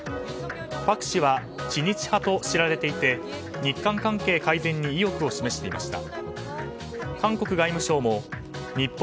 パク氏は知日派と知られていて日韓関係改善に意欲を示していました。